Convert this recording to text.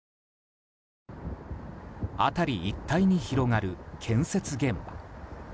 辺り一帯に広がる建設現場。